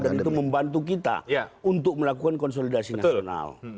dan itu membantu kita untuk melakukan konsolidasi nasional